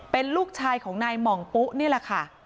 เป็นลูกชายของนายห่องปุ๊นี่แหละค่ะ